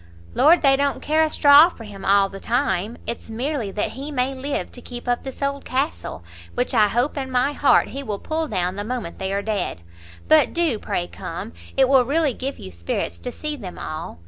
"Lord, they don't care a straw for him all the time! it's merely that he may live to keep up this old castle, which I hope in my heart he will pull down the moment they are dead! But do pray come; it will really give you spirits to see them all.